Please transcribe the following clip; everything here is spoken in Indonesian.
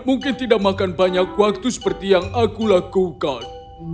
mungkin tidak makan banyak waktu seperti yang aku lakukan